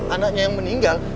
anaknya yang meninggal